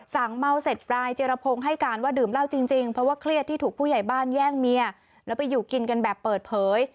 เมาเสร็จปลายเจรพงศ์ให้การว่าดื่มเหล้าจริงเพราะว่าเครียดที่ถูกผู้ใหญ่บ้านแย่งเมียแล้วไปอยู่กินกันแบบเปิดเผย